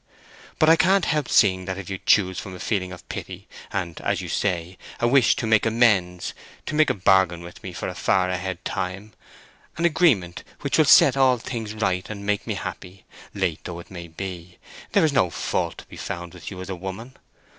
But I can't help seeing that if you choose from a feeling of pity, and, as you say, a wish to make amends, to make a bargain with me for a far ahead time—an agreement which will set all things right and make me happy, late though it may be—there is no fault to be found with you as a woman.